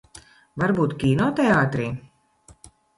Varbūt kinoteātrī?